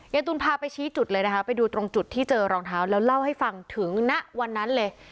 ตุลพาไปชี้จุดเลยนะคะไปดูตรงจุดที่เจอรองเท้าแล้วเล่าให้ฟังถึงณวันนั้นเลย